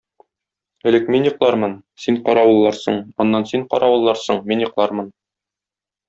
Элек мин йоклармын, син каравылларсың, аннан син каравылларсың, мин йоклармын.